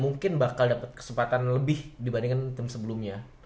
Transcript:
mungkin bakal dapat kesempatan lebih dibandingkan tim sebelumnya